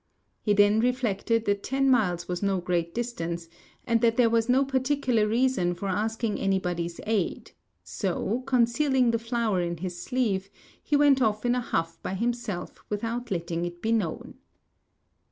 He then reflected that ten miles was no great distance, and that there was no particular reason for asking anybody's aid; so, concealing the flower in his sleeve, he went off in a huff by himself without letting it be known.